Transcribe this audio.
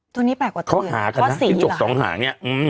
ตัวนี้แปลกว่าเตือนเค้าหาค่ะจิ้งจกสองหาง